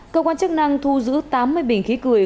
cơ quan chức năng thu giữ tám mươi bình khí cười